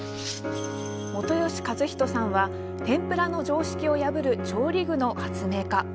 元吉和仁さんは天ぷらの常識を破る調理具の発明家。